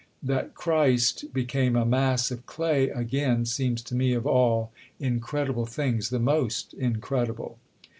That Christ became a mass of clay again seems to me of all incredible things the most incredible."